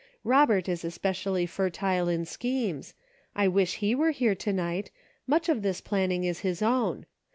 Robert is especially fertile in schemes ; I wish he were here to night ; much of this planning is his own.